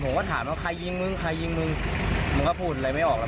ผมก็ถามว่าใครยิงมึงใครยิงมึงมันก็พูดอะไรไม่ออกแล้ว